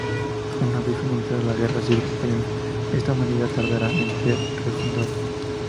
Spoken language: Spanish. Una vez finalizada la Guerra Civil Española, esta hermandad tardará en ser re-fundada.